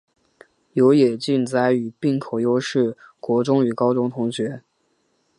有野晋哉与滨口优是国中与高中同学。